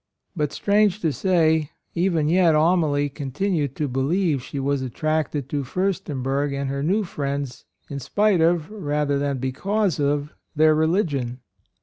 But, strange to say, even yet Amalie continued to believe she was attracted to Fiirstenberg and her new friends in spite of, rather than because of, their religion.